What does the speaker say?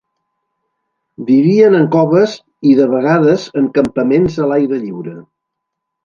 Vivien en coves i de vegades en campaments a l'aire lliure.